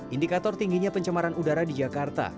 indikator tingginya pencemaran udara di jakarta